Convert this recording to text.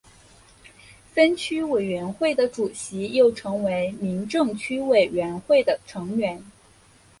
分区委员会的主席又成为民政区委员会的成员。